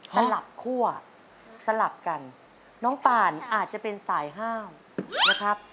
สลับคั่วสลับกันน้องปานอาจจะเป็นสายห้าวนะครับ